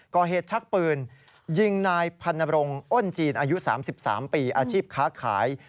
ก่อเหตุชักปืนยิงนายพันธ์นรงค์อ้นจีนอายุสามสิบสามปีอาชีพค้าขาย